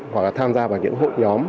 hoặc là tham gia vào những hộp nhóm